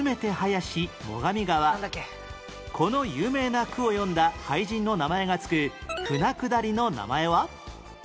この有名な句を詠んだ俳人の名前が付く舟下りの名前は？